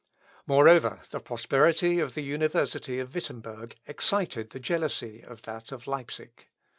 Moreover, the prosperity of the university of Wittemberg, excited the jealousy of that of Leipsic.